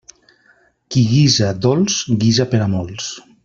Qui guisa dolç, guisa per a molts.